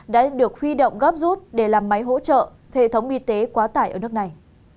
đã được huy động gấp rút để làm máy hỗ trợ hệ thống y tế quá tải ở nước này